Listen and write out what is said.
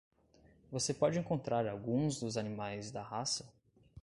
Você pode encontrar alguns dos animais da raça?